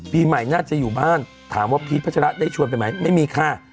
ปีใหม่น่าจะอยู่บ้านถามว่าพีชพัชระได้ชวนไปไหมไม่มีค่ะ